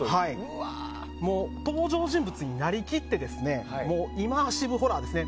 登場人物になりきってイマーシブホラーですね。